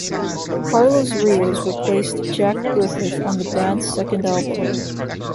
Carlos Rios replaced Jack Griffith on the band's second album.